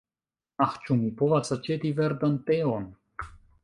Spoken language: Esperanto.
Ah, ĉu mi povas aĉeti verdan teon?